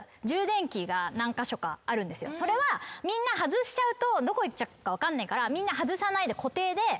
それはみんな外しちゃうとどこいっちゃうか分かんないから。